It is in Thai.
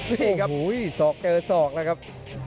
โอ้โหสอกเกิดสอกแล้วครับ